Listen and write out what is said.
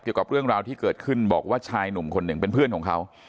เกี่ยวกับเรื่องราวที่เกิดขึ้นบอกว่าชายหนุ่มคนหนึ่งเป็นเพื่อนของเขา